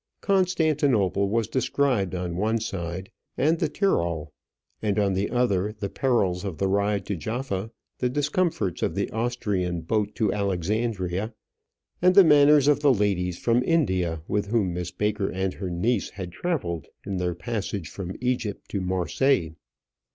Constantinople was described on one side, and the Tyrol; and on the other the perils of the ride to Jaffa, the discomforts of the Austrian boat to Alexandria, and the manners of the ladies from India with whom Miss Baker and her niece had travelled in their passage from Egypt to Marseilles.